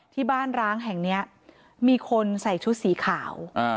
ที่บ้านร้างแห่งนี้มีคนใส่ชุดสีขาว